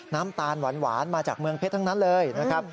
น้ำตาลหวานมาจากเมืองเพชรทั้งนั้นเลยนะครับ